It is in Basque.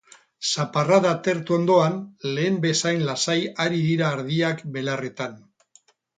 zaparrada atertu ondoan, lehen bezain lasai ari dira ardiak belarretan.